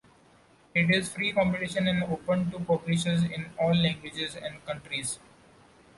It is free competition and open to publishers in all languages and countries.